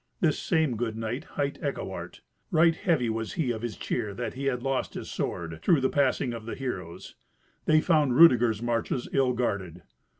This same good knight hight Eckewart. Right heavy was he of his cheer that he had lost his sword through the passing of the heroes. They found Rudeger's marches ill guarded.